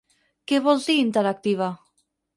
Què vols dir, interactiva?